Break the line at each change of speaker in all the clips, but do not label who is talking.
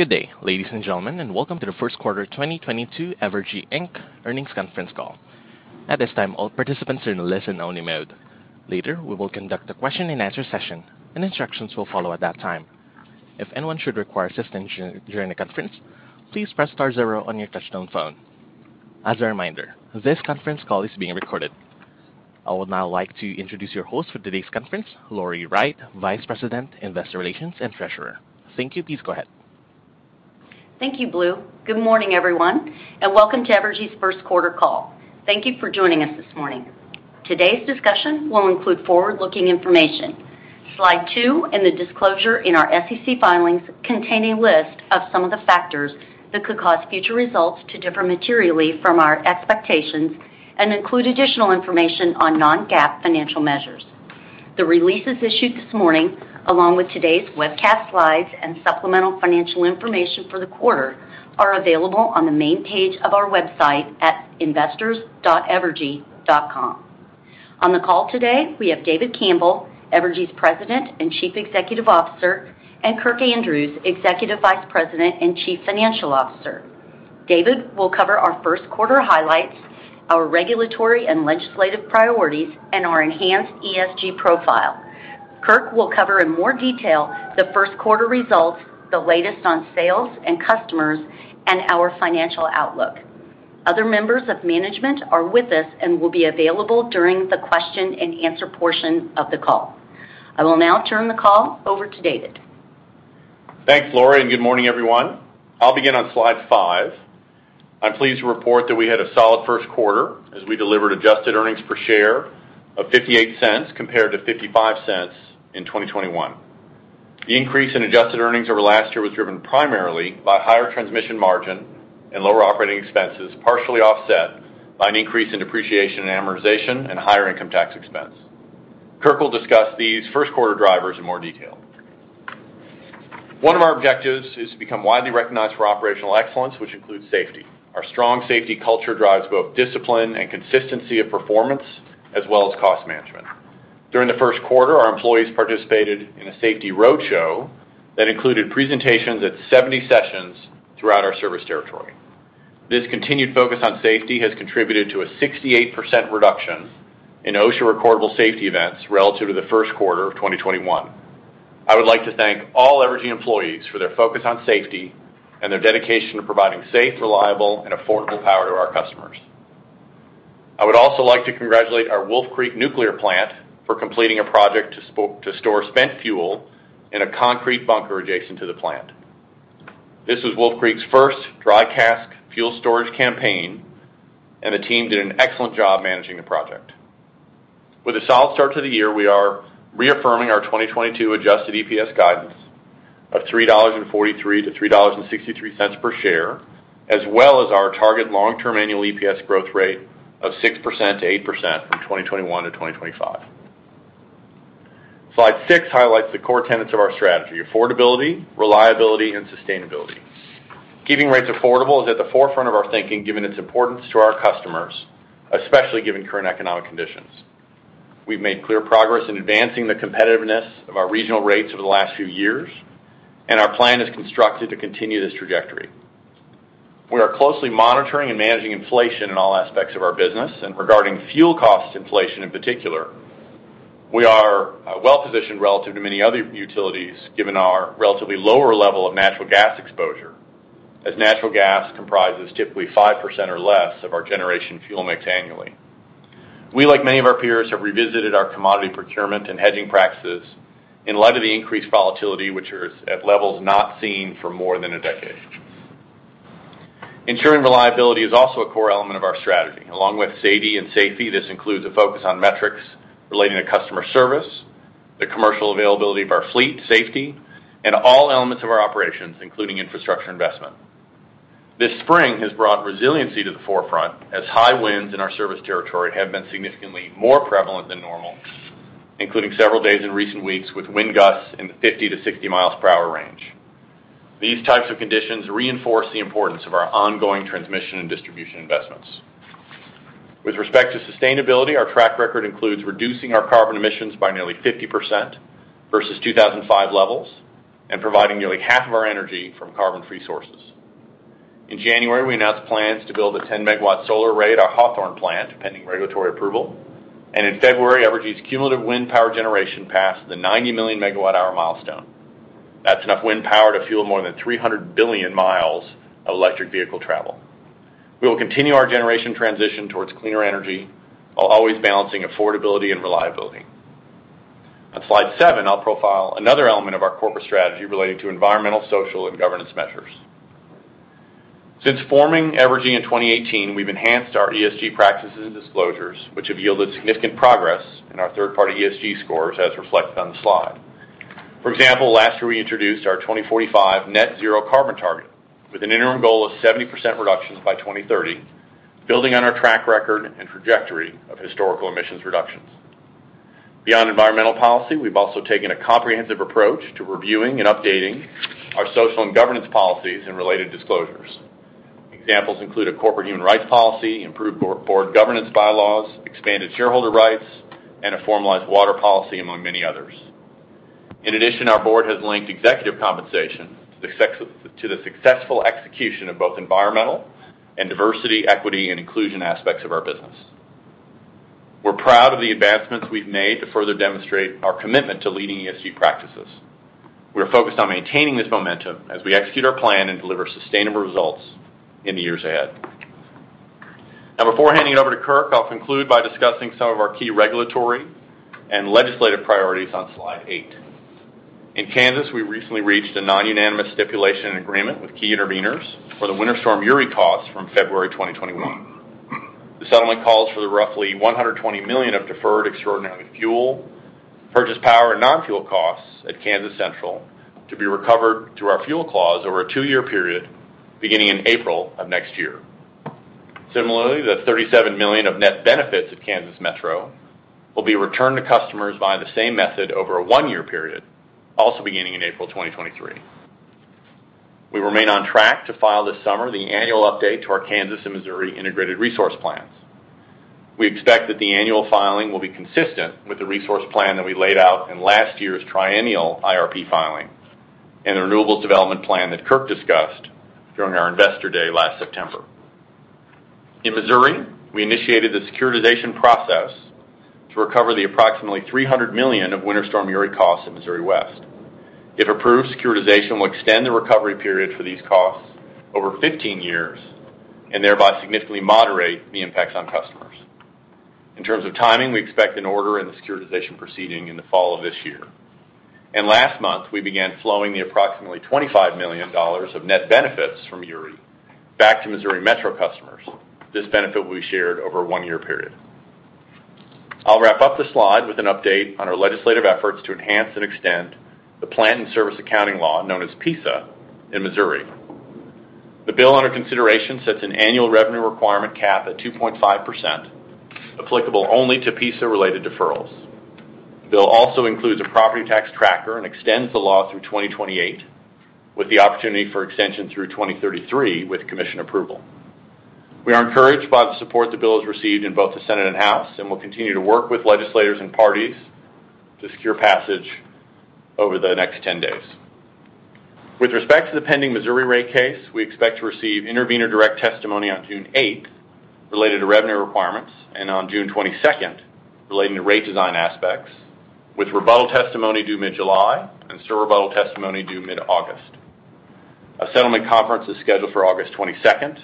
Good day, ladies and gentlemen, and welcome to the first quarter 2022 Evergy, Inc. earnings conference call. At this time, all participants are in listen-only mode. Later, we will conduct a question-and-answer session, and instructions will follow at that time. If anyone should require assistance during the conference, please press star zero on your touchtone phone. As a reminder, this conference call is being recorded. I would now like to introduce your host for today's conference, Lori Wright, Vice President, Investor Relations and Treasurer. Thank you. Please go ahead.
Thank you, Blue. Good morning, everyone, and welcome to Evergy's first quarter call. Thank you for joining us this morning. Today's discussion will include forward-looking information. Slide two and the disclosure in our SEC filings contain a list of some of the factors that could cause future results to differ materially from our expectations and include additional information on non-GAAP financial measures. The releases issued this morning, along with today's webcast slides and supplemental financial information for the quarter, are available on the main page of our website at investors.evergy.com. On the call today, we have David Campbell, Evergy's President and Chief Executive Officer, and Kirk Andrews, Executive Vice President and Chief Financial Officer. David will cover our first quarter highlights, our regulatory and legislative priorities, and our enhanced ESG profile. Kirk will cover in more detail the first quarter results, the latest on sales and customers, and our financial outlook. Other members of management are with us and will be available during the question-and-answer portion of the call. I will now turn the call over to David.
Thanks, Lori, and good morning, everyone. I'll begin on slide five. I'm pleased to report that we had a solid first quarter as we delivered adjusted earnings per share of $0.58 compared to $0.55 in 2021. The increase in adjusted earnings over last year was driven primarily by higher transmission margin and lower operating expenses, partially offset by an increase in depreciation and amortization and a higher income tax expense. Kirk will discuss these first quarter drivers in more detail. One of our objectives is to become widely recognized for operational excellence, which includes safety. Our strong safety culture drives both discipline and consistency of performance, as well as cost management. During the first quarter, our employees participated in a safety roadshow that included presentations at 70 sessions throughout our service territory. This continued focus on safety has contributed to a 68% reduction in OSHA-recordable safety events relative to the first quarter of 2021. I would like to thank all Evergy employees for their focus on safety and their dedication to providing safe, reliable, and affordable power to our customers. I would also like to congratulate our Wolf Creek Nuclear Plant for completing a project to store spent fuel in a concrete bunker adjacent to the plant. This was Wolf Creek's first dry cask fuel storage campaign, and the team did an excellent job managing the project. With a solid start to the year, we are reaffirming our 2022 adjusted EPS guidance of $3.43-$3.63 per share, as well as our target long-term annual EPS growth rate of 6%-8% from 2021 to 2025. Slide six highlights the core tenets of our strategy. Affordability, reliability, and sustainability. Keeping rates affordable is at the forefront of our thinking, given its importance to our customers, especially given current economic conditions. We've made clear progress in advancing the competitiveness of our regional rates over the last few years, and our plan is constructed to continue this trajectory. We are closely monitoring and managing inflation in all aspects of our business, and regarding fuel cost inflation in particular. We are well-positioned relative to many other utilities given our relatively lower level of natural gas exposure, as natural gas comprises typically 5% or less of our generation fuel mix annually. We, like many of our peers, have revisited our commodity procurement and hedging practices in light of the increased volatility, which is at levels not seen for more than a decade. Ensuring reliability is also a core element of our strategy. Along with safety, this includes a focus on metrics relating to customer service, the commercial availability of our fleet, safety, and all elements of our operations, including infrastructure investment. This spring has brought resiliency to the forefront as high winds in our service territory have been significantly more prevalent than normal, including several days in recent weeks with wind gusts in the 50-60 miles per hour range. These types of conditions reinforce the importance of our ongoing transmission and distribution investments. With respect to sustainability, our track record includes reducing our carbon emissions by nearly 50% versus 2005 levels and providing nearly half of our energy from carbon-free sources. In January, we announced plans to build a 10-mw solar array at our Hawthorn plant, pending regulatory approval. In February, Evergy's cumulative wind power generation passed the 90 million mw-hour milestone. That's enough wind power to fuel more than 300 billion miles of electric vehicle travel. We will continue our generation transition towards cleaner energy while always balancing affordability and reliability. On slide seven, I'll profile another element of our corporate strategy relating to environmental, social, and governance measures. Since forming Evergy in 2018, we've enhanced our ESG practices and disclosures, which have yielded significant progress in our third-party ESG scores, as reflected on the slide. For example, last year, we introduced our 2045 net-zero carbon target with an interim goal of 70% reductions by 2030, building on our track record and trajectory of historical emissions reductions. Beyond environmental policy, we've also taken a comprehensive approach to reviewing and updating our social and governance policies and related disclosures. Examples include a corporate human rights policy, improved board governance bylaws, expanded shareholder rights, and a formalized water policy, among many others. In addition, our board has linked executive compensation to the successful execution of both environmental and diversity, equity, and inclusion aspects of our business. We're proud of the advancements we've made to further demonstrate our commitment to leading ESG practices. We are focused on maintaining this momentum as we execute our plan and deliver sustainable results in the years ahead. Now, before handing it over to Kirk, I'll conclude by discussing some of our key regulatory and legislative priorities on slide eight. In Kansas, we recently reached a non-unanimous stipulation and agreement with key intervenors for the Winter Storm Uri costs from February 2021. The settlement calls for the roughly $120 million of deferred extraordinary fuel, purchased power, and non-fuel costs at Kansas Central to be recovered through our fuel clause over a two-year period, beginning in April of next year. Similarly, the $37 million of net benefits at Kansas Metro will be returned to customers via the same method over a one-year period, also beginning in April 2023. We remain on track to file this summer the annual update to our Kansas and Missouri integrated resource plans. We expect that the annual filing will be consistent with the resource plan that we laid out in last year's triennial IRP filing and the renewables development plan that Kirk discussed during our Investor Day last September. In Missouri, we initiated the securitization process to recover the approximately $300 million of Winter Storm Uri costs at Missouri West. If approved, securitization will extend the recovery period for these costs over 15 years and thereby significantly moderate the impacts on customers. In terms of timing, we expect an order in the securitization proceeding in the fall of this year. Last month, we began flowing the approximately $25 million of net benefits from Uri back to Missouri Metro customers. This benefit will be shared over a one-year period. I'll wrap up the slide with an update on our legislative efforts to enhance and extend the plant and service accounting law known as PISA in Missouri. The bill under consideration sets an annual revenue requirement cap at 2.5%, applicable only to PISA-related deferrals. The bill also includes a property tax tracker and extends the law through 2028, with the opportunity for extension through 2033 with commission approval. We are encouraged by the support the bill has received in both the Senate and House, and we'll continue to work with legislators and parties to secure passage over the next 10 days. With respect to the pending Missouri rate case, we expect to receive intervener direct testimony on June 8 related to revenue requirements, and on June 22 relating to rate design aspects, with rebuttal testimony due mid-July and surrebuttal testimony due mid-August. A settlement conference is scheduled for August 22,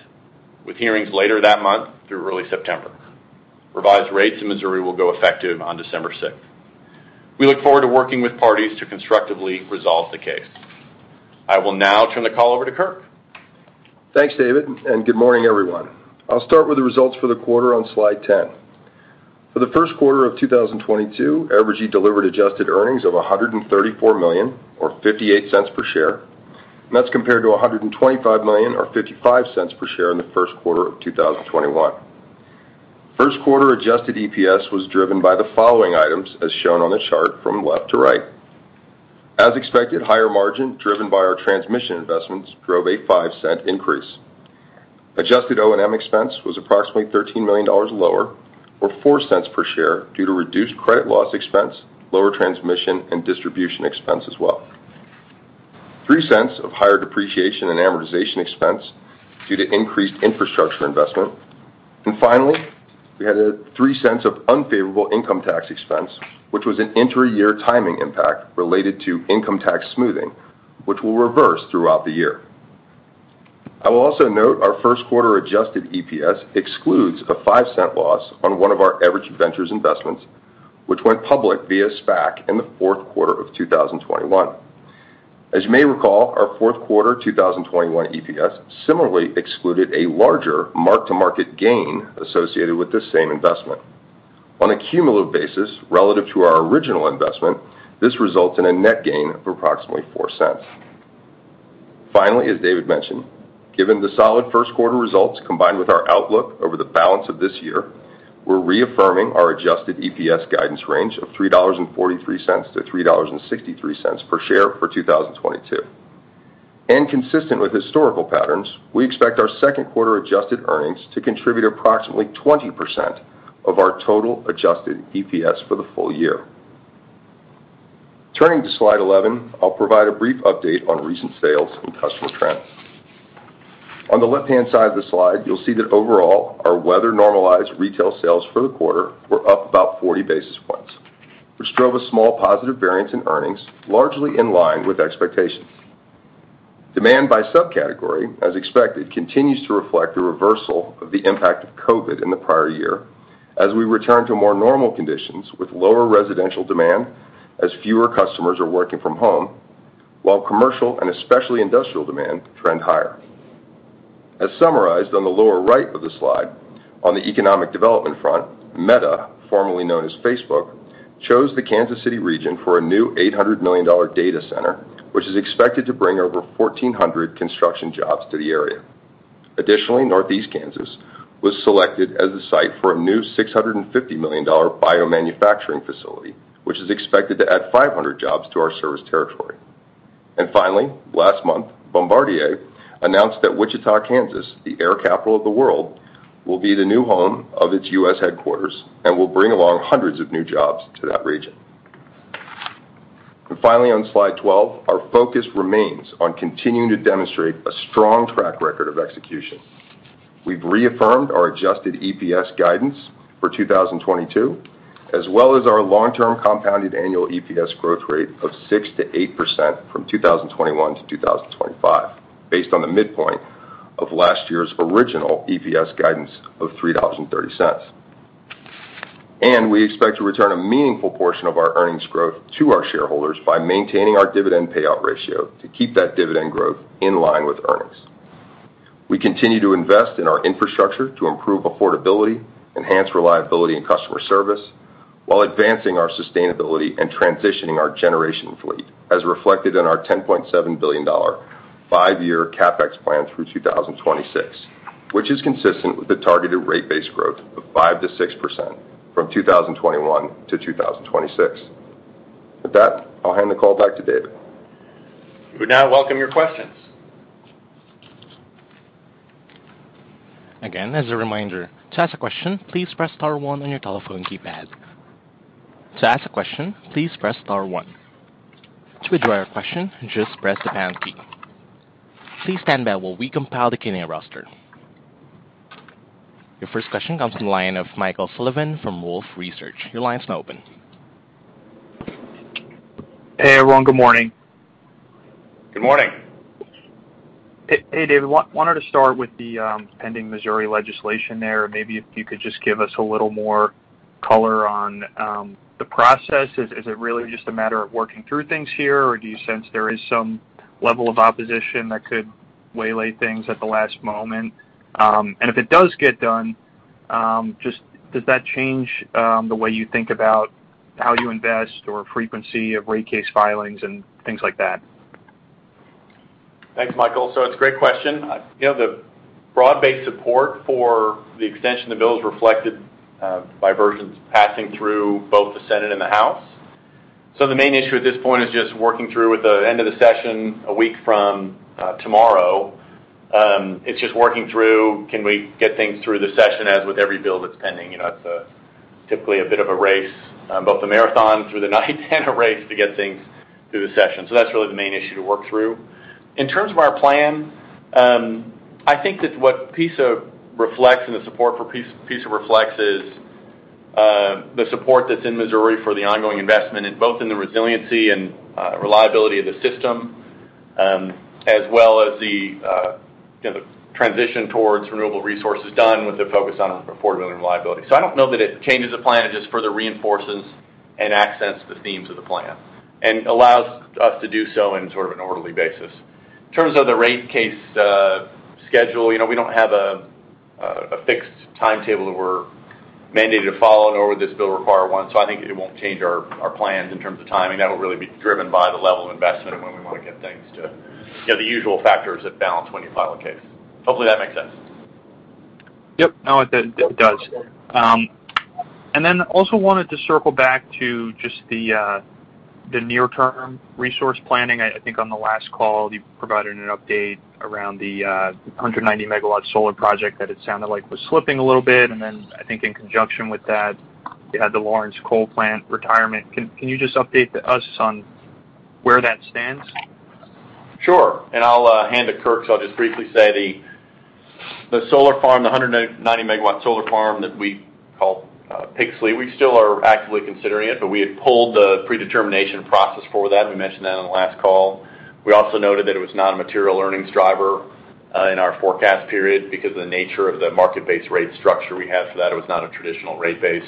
with hearings later that month through early September. Revised rates in Missouri will go effective on December 6. We look forward to working with parties to constructively resolve the case. I will now turn the call over to Kirk.
Thanks, David, and good morning, everyone. I'll start with the results for the quarter on slide 10. For the first quarter of 2022, Evergy delivered adjusted earnings of $134 million or $0.58 per share. That's compared to $125 million or $0.55 per share in the first quarter of 2021. First quarter adjusted EPS was driven by the following items as shown on the chart from left to right. As expected, higher margin driven by our transmission investments drove a $0.05 increase. Adjusted O&M expense was approximately $13 million lower or $0.04 per share due to reduced credit loss expense, lower transmission and distribution expense as well. $0.03 of higher depreciation and amortization expense due to increased infrastructure investment. Finally, we had $0.03 of unfavorable income tax expense, which was an inter-year timing impact related to income tax smoothing, which we'll reverse throughout the year. I will also note our first quarter adjusted EPS excludes a $0.05 loss on one of our Evergy Ventures investments, which went public via SPAC in the fourth quarter of 2021. As you may recall, our fourth quarter 2021 EPS similarly excluded a larger mark-to-market gain associated with this same investment. On a cumulative basis, relative to our original investment, this results in a net gain of approximately $0.04. Finally, as David mentioned, given the solid first quarter results combined with our outlook over the balance of this year, we're reaffirming our adjusted EPS guidance range of $3.43-$3.63 per share for 2022. Consistent with historical patterns, we expect our second quarter adjusted earnings to contribute approximately 20% of our total adjusted EPS for the full year. Turning to slide 11, I'll provide a brief update on recent sales and customer trends. On the left-hand side of the slide, you'll see that overall, our weather-normalized retail sales for the quarter were up about 40 basis points, which drove a small positive variance in earnings, largely in line with expectations. Demand by subcategory, as expected, continues to reflect a reversal of the impact of COVID in the prior year as we return to more normal conditions with lower residential demand as fewer customers are working from home, while commercial and especially industrial demand trend higher. As summarized on the lower right of the slide, on the economic development front, Meta, formerly known as Facebook, chose the Kansas City region for a new $800 million data center, which is expected to bring over 1,400 construction jobs to the area. Additionally, Northeast Kansas was selected as a site for a new $650 million biomanufacturing facility, which is expected to add 500 jobs to our service territory. Finally, last month, Bombardier announced that Wichita, Kansas, the Air Capital of the world, will be the new home of its U.S. headquarters and will bring along hundreds of new jobs to that region. Finally, on slide 12, our focus remains on continuing to demonstrate a strong track record of execution. We've reaffirmed our adjusted EPS guidance for 2022, as well as our long-term compounded annual EPS growth rate of 6%-8% from 2021 to 2025 based on the midpoint of last year's original EPS guidance of $3.30. We expect to return a meaningful portion of our earnings growth to our shareholders by maintaining our dividend payout ratio to keep that dividend growth in line with earnings. We continue to invest in our infrastructure to improve affordability, enhance reliability and customer service, while advancing our sustainability and transitioning our generation fleet, as reflected in our $10.7 billion five-year CapEx plan through 2026, which is consistent with the targeted rate base growth of 5%-6% from 2021 to 2026. With that, I'll hand the call back to David.
We would now welcome your questions.
Again, as a reminder, to ask a question, please press star one on your telephone keypad. To ask a question, please press star one. To withdraw your question, just press the pound key. Please stand by while we compile the queuing roster. Your first question comes from the line of Michael Sullivan from Wolfe Research. Your line's now open.
Hey, everyone. Good morning.
Good morning.
Hey, David. I wanted to start with the pending Missouri legislation there. Maybe if you could just give us a little more color on the process. Is it really just a matter of working through things here, or do you sense there is some level of opposition that could waylay things at the last moment? If it does get done, just does that change the way you think about how you invest or frequency of rate case filings and things like that?
Thanks, Michael. It's a great question. You know, the broad-based support for the extension of the bill is reflected by versions passing through both the Senate and the House. The main issue at this point is just working through with the end of the session a week from tomorrow. It's just working through, can we get things through the session as with every bill that's pending? You know, it's typically a bit of a race, both the marathon through the night and a race to get things through the session. That's really the main issue to work through. In terms of our plan, I think that what PISA reflects and the support for PISA reflects is the support that's in Missouri for the ongoing investment in both the resiliency and reliability of the system, as well as the, you know, the transition towards renewable resources done with the focus on affordability and reliability. I don't know that it changes the plan. It just further reinforces and accentuates the themes of the plan, and allows us to do so in sort of an orderly basis. In terms of the rate case schedule, you know, we don't have a fixed timetable that we're mandated to follow, nor would this bill require one, so I think it won't change our plans in terms of timing. That will really be driven by the level of investment and when we wanna get things to, you know, the usual factors that balance when you file a case. Hopefully, that makes sense.
Yep. No, it did. It does. Also wanted to circle back to just the near-term resource planning. I think on the last call, you provided an update around the 190-mw solar project that it sounded like was slipping a little bit. I think in conjunction with that, you had the Lawrence coal plant retirement. Can you just update us on where that stands?
Sure. I'll hand to Kirk. I'll just briefly say the solar farm, the 190-mw solar farm that we call Pixley. We still are actively considering it, but we had pulled the predetermination process for that. We mentioned that on the last call. We also noted that it was not a material earnings driver in our forecast period because of the nature of the market-based rate structure we have. That was not a traditional rate base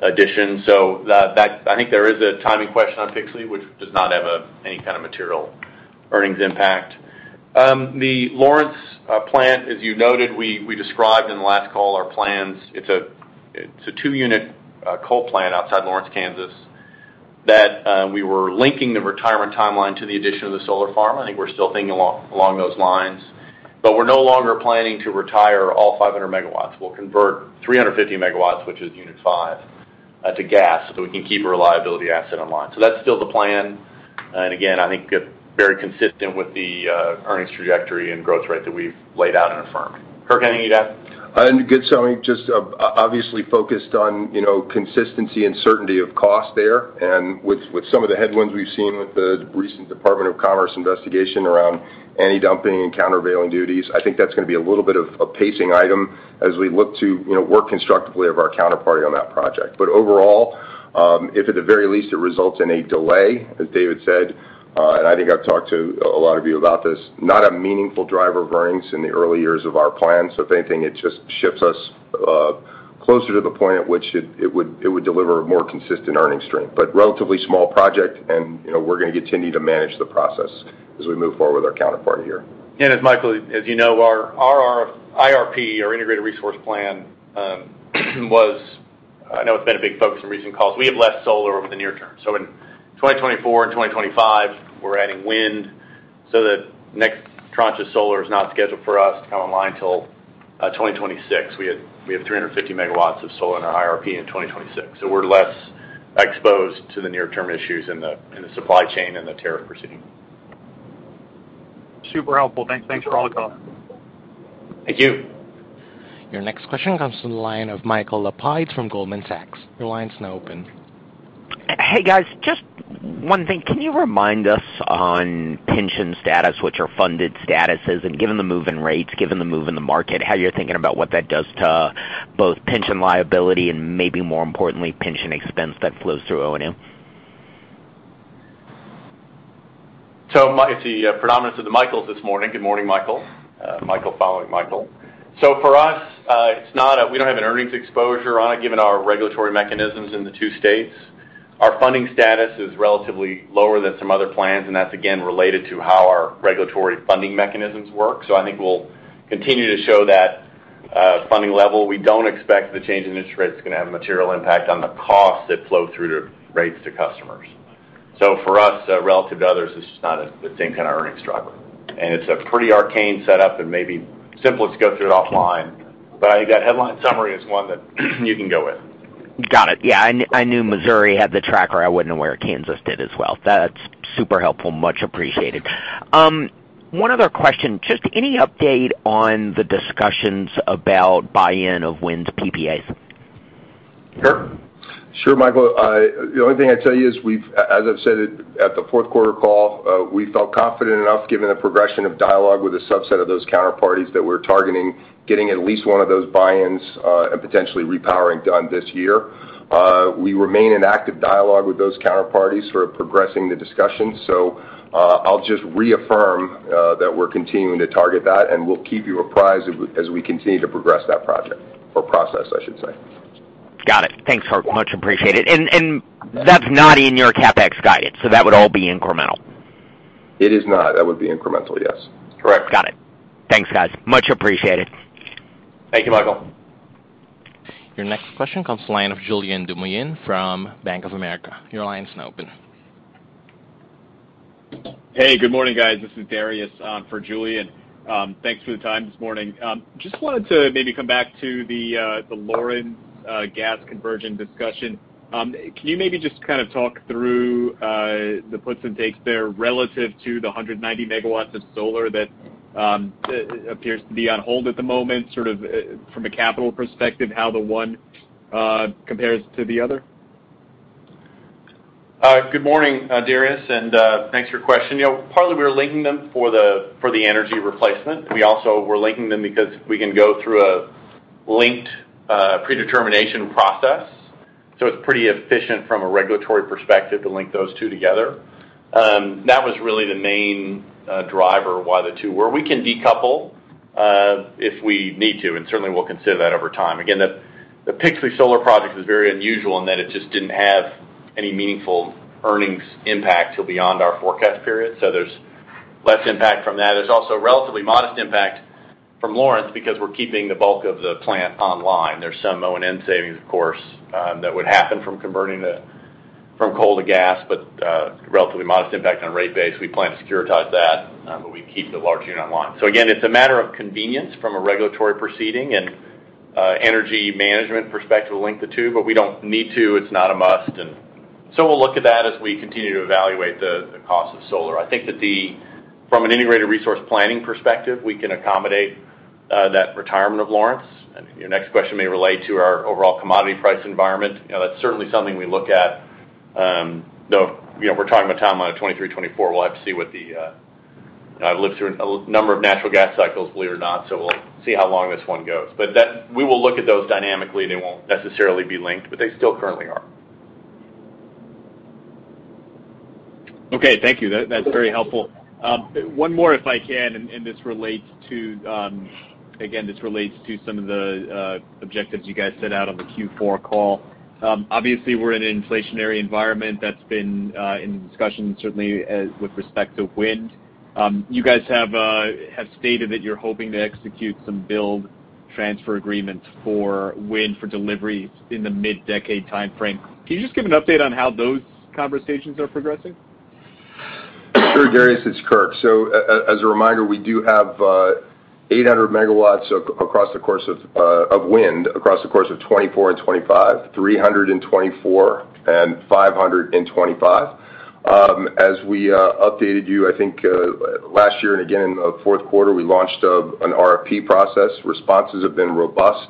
addition. That I think there is a timing question on Pixley, which does not have any kind of material earnings impact. The Lawrence plant, as you noted, we described in the last call our plans. It's a two-unit coal plant outside Lawrence, Kansas, that we were linking the retirement timeline to the addition of the solar farm. I think we're still thinking along those lines. We're no longer planning to retire all 500 mw. We'll convert 350 mw, which is unit five, to gas so we can keep a reliability asset online. That's still the plan, and again, I think very consistent with the earnings trajectory and growth rate that we've laid out and affirmed. Kirk, anything you'd add?
Good. I mean, just obviously focused on, you know, consistency and certainty of cost there. With some of the headwinds we've seen with the recent Department of Commerce investigation around anti-dumping and countervailing duties, I think that's gonna be a little bit of a pacing item as we look to, you know, work constructively with our counterparty on that project. Overall, if at the very least it results in a delay, as David said, and I think I've talked to a lot of you about this, not a meaningful driver of earnings in the early years of our plan. If anything, it just shifts us closer to the point at which it would deliver a more consistent earnings stream. Relatively small project and, you know, we're gonna continue to manage the process as we move forward with our counterparty here.
As Michael, as you know, our IRP, our integrated resource plan, was. I know it's been a big focus in recent calls. We have less solar over the near term. In 2024 and 2025, we're adding wind. The next Kansas solar is not scheduled for us to come online till 2026. We have 350 mw of solar in our IRP in 2026, so we're less exposed to the near-term issues in the supply chain and the tariff proceeding.
Super helpful. Thanks for all the help.
Thank you.
Your next question comes from the line of Michael Lapides from Goldman Sachs. Your line's now open.
Hey, guys, just one thing. Can you remind us on pension status what your funded status is? Given the move in rates, given the move in the market, how you're thinking about what that does to both pension liability and maybe more importantly, pension expense that flows through O&M?
It's the predominance of the Michaels this morning. Good morning, Michael. Michael following Michael. For us, it's not, we don't have an earnings exposure on it, given our regulatory mechanisms in the two states. Our funding status is relatively lower than some other plans, and that's again related to how our regulatory funding mechanisms work. I think we'll continue to show that funding level. We don't expect the change in interest rate is gonna have a material impact on the costs that flow through to rates to customers. For us, relative to others, it's just not the same kind of earnings driver. It's a pretty arcane setup and maybe simplest to go through it offline, but I think that headline summary is one that you can go with.
Got it. Yeah, I knew Missouri had the tracker. I wouldn't know where Kansas did as well. That's super helpful. Much appreciated. One other question. Just any update on the discussions about buy-in of wind PPAs?
Kirk?
Sure, Michael. The only thing I'd tell you is we've, as I've said at the fourth quarter call, we felt confident enough given the progression of dialogue with a subset of those counterparties that we're targeting, getting at least one of those buy-ins, and potentially repowering done this year. We remain in active dialogue with those counterparties for progressing the discussion. I'll just reaffirm that we're continuing to target that, and we'll keep you apprised of it as we continue to progress that project or process, I should say.
Got it. Thanks, Kirk. Much appreciated. That's not in your CapEx guidance, so that would all be incremental?
It is not. That would be incremental, yes.
Correct.
Got it. Thanks, guys. Much appreciated.
Thank you, Michael.
Your next question comes from the line of Julien Dumoulin from Bank of America. Your line is now open.
Hey, good morning, guys. This is Dariusz for Julien. Thanks for the time this morning. Just wanted to maybe come back to the Lawrence gas conversion discussion. Can you maybe just kind of talk through the puts and takes there relative to the 190 mw of solar that appears to be on hold at the moment, sort of, from a capital perspective, how the one compares to the other?
Good morning, Dariusz, and thanks for your question. You know, partly we're linking them for the energy replacement. We also were linking them because we can go through a linked predetermination process, so it's pretty efficient from a regulatory perspective to link those two together. That was really the main driver why the two were. We can decouple if we need to, and certainly we'll consider that over time. Again, the Pixley Solar project was very unusual in that it just didn't have any meaningful earnings impact till beyond our forecast period, so there's less impact from that. There's also a relatively modest impact from Lawrence because we're keeping the bulk of the plant online. There's some O&M savings, of course, that would happen from converting from coal to gas, but relatively modest impact on rate base. We plan to securitize that, but we keep the large unit online. Again, it's a matter of convenience from a regulatory proceeding and energy management perspective to link the two, but we don't need to. It's not a must. We'll look at that as we continue to evaluate the cost of solar. I think that from an integrated resource planning perspective, we can accommodate that retirement of Lawrence. Your next question may relate to our overall commodity price environment. You know, that's certainly something we look at. Though, you know, we're talking about timeline of 2023, 2024, we'll have to see what the. I've lived through a number of natural gas cycles, believe it or not, so we'll see how long this one goes. That we will look at those dynamically. They won't necessarily be linked, but they still currently are.
Okay, thank you. That's very helpful. One more if I can. This relates again to some of the objectives you guys set out on the Q4 call. Obviously, we're in an inflationary environment that's been in discussion certainly with respect to wind. You guys have stated that you're hoping to execute some build-transfer agreements for wind for delivery in the mid-decade timeframe. Can you just give an update on how those conversations are progressing?
Sure, Dariusz. It's Kirk. As a reminder, we do have 800 mw across the course of wind across the course of 2024 and 2025, 300 in 2024 and 500 in 2025. As we updated you, I think, last year and again in the fourth quarter, we launched an RFP process. Responses have been robust.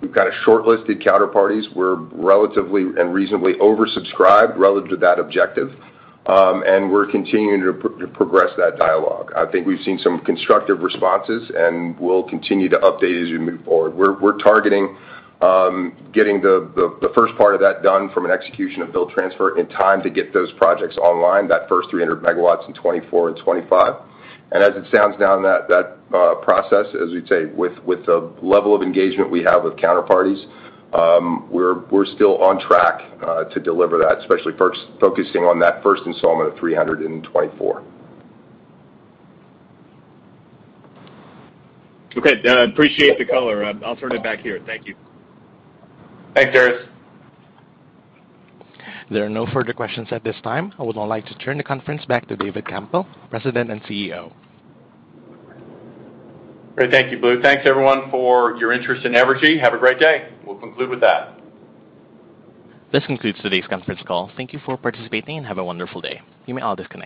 We've kinda shortlisted counterparties. We're relatively and reasonably oversubscribed relative to that objective, and we're continuing to progress that dialogue. I think we've seen some constructive responses, and we'll continue to update as you move forward. We're targeting getting the first part of that done from an execution of build-transfer in time to get those projects online, that first 300 mw in 2024 and 2025. As it stands now in that process, as we say, with the level of engagement we have with counterparties, we're still on track to deliver that, especially focusing on that first installment of 300 in 2024.
Okay. Appreciate the color. I'll turn it back here. Thank you.
Thanks, Dariusz.
There are no further questions at this time. I would now like to turn the conference back to David Campbell, President and CEO.
Great. Thank you, Blue. Thanks everyone for your interest in Evergy. Have a great day. We'll conclude with that.
This concludes today's conference call. Thank you for participating, and have a wonderful day. You may all disconnect.